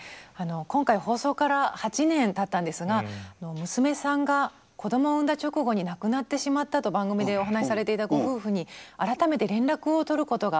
今回放送から８年たったんですが娘さんが子どもを産んだ直後に亡くなってしまったと番組でお話しされていたご夫婦に改めて連絡を取ることができました。